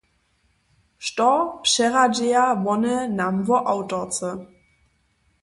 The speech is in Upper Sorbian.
Što přeradźeja wone nam wo awtorce?